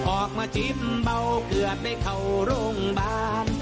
ออกมาจิ้มเบาเกือบได้เขาร่วงบ้าน